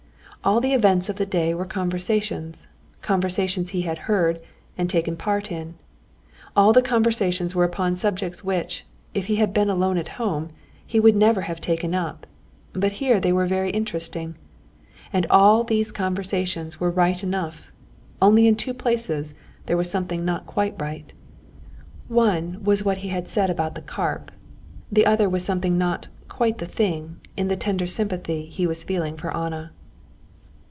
All the events of the day were conversations, conversations he had heard and taken part in. All the conversations were upon subjects which, if he had been alone at home, he would never have taken up, but here they were very interesting. And all these conversations were right enough, only in two places there was something not quite right. One was what he had said about the carp, the other was something not "quite the thing" in the tender sympathy he was feeling for Anna.